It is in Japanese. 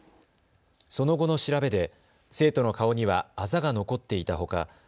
その後の調べで生徒の顔にはあざが残っていたほか